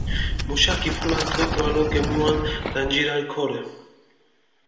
მუშა გიფულათ დო გვალო გემუან დანჯირალ ქორე.